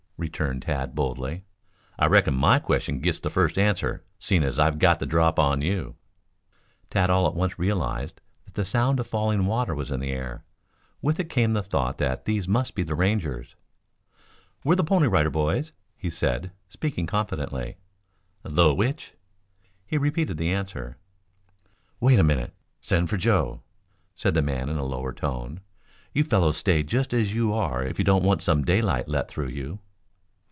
returned Tad boldly. "I reckon my question gits the first answer, seeing as I've got the drop on you." Tad all at once realized that the sound of falling water was in the air. With it came the thought that these must be the Rangers. "We're the Pony Rider Boys," he said, speaking confidently. "The which?" He repeated his answer. "Wait a minute. Send for Joe," said the man in a lower tone. "You fellows stay just as you are if you don't want some daylight let through you."